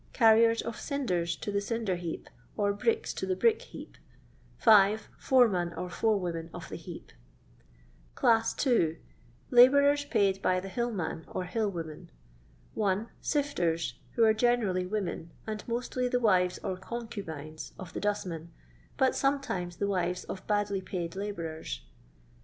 Cvrrien of cinders to the dnder heap, or bricks to the brick heap. 5. Fcreman ot forewoman of the heap. II. LuiOVBSRfl PAID BT THI HILIrlUH OB HILIrWOMAV. 1. S^fUrt, who are genendly women, and mostly the wives or concubines of the dustmen, but sometimes the wives of badlj paid labourers.